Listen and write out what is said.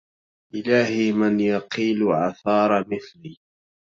الهي من يقيل عثار مثلي